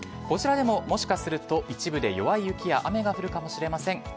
こちらでも、もしかすると一部で夜は雪や雨が降るかもしれません。